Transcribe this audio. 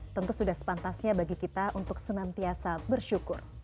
tentu sudah sepantasnya bagi kita untuk senantiasa bersyukur